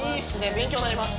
勉強になります